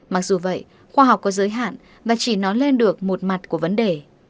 mặc dù vậy khoa học có giới hạn và chỉ nói lên được một mặt của vấn đề